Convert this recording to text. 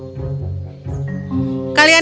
kami akan dibakar